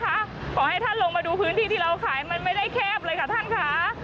ขอให้ท่านลงมาดูนะคะขอให้ท่านลงมาดูพื้นที่ที่เราขายมันไม่ได้แคบเลยค่ะท่านค่ะ